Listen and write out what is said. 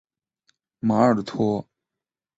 马尔托。